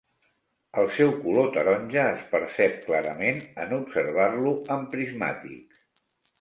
El seu color taronja es percep clarament en observar-lo amb prismàtics.